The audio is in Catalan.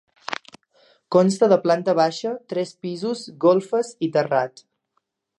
Consta de planta baixa, tres pisos, golfes i terrat.